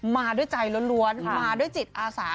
มาด้วยใจล้วนมาด้วยจิตอาสา